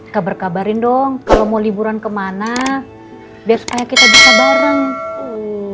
kabar kabarin dong kalau mau liburan kemana biar supaya kita bisa bareng